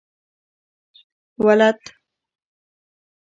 ولد؟